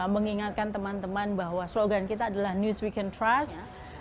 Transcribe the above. mengingatkan teman teman bahwa slogan kita adalah news weekend trust